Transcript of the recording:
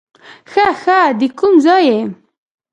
ښه ښه، د کوم ځای یې؟